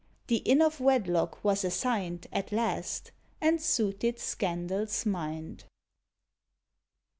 The inn of Wedlock was assign'd At last, and suited Scandal's mind.